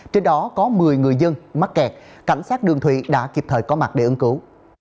trên đó có một mươi người dân mắc kẹt cảnh sát đường thủy đã kịp thời có mặt để ứng cứu